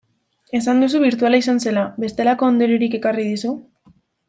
Esan duzu birtuala izan zela, bestelako ondoriorik ekarri dizu?